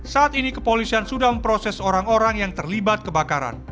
saat ini kepolisian sudah memproses orang orang yang terlibat kebakaran